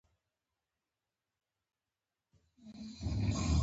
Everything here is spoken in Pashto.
لمریز ځواک د افغانستان د لرغوني کلتوري میراث یوه ډېره مهمه برخه ده.